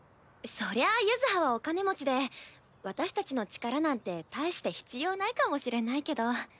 そりゃあ柚葉はお金持ちで私たちの力なんて大して必要ないかもしれないけど。